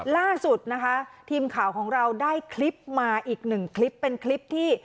ล่าสุดนะคะทีมข่าวของเราได้คลิปมาอีกหนึ่งคลิปเป็นคลิปที่